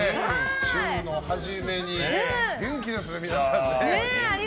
週の初めに、元気ですね皆さん。